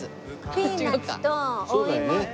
ピーナツとお芋と。